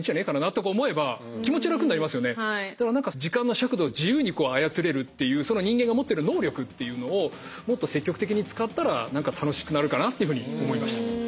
時間の尺度を自由に操れるっていうその人間が持ってる能力っていうのをもっと積極的に使ったら何か楽しくなるかなっていうふうに思いました。